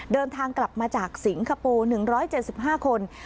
เดินทางกลับมาจากสิงคโปร์๑๗๕คน